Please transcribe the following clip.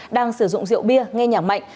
đang sử dụng rượu bia nghe nhạc mạnh